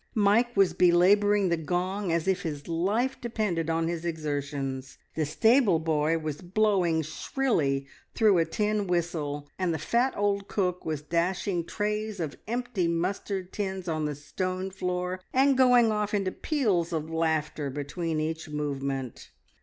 Mike was belabouring the gong as if his life depended on his exertions. The stable boy was blowing shrilly through a tin whistle, and the fat old cook was dashing trays of empty mustard tins on the stone floor, and going off into peals of laughter between each movement.